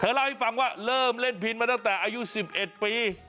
เล่าให้ฟังว่าเริ่มเล่นพินมาตั้งแต่อายุ๑๑ปี